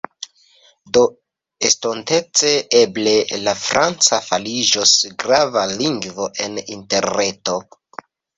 Do estontece, eble, la franca fariĝos grava lingvo en Interreto.